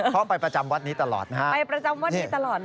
เพราะไปประจำวัดนี้ตลอดนะฮะไปประจำวัดนี้ตลอดเลย